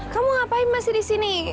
kamu ngapain masih disini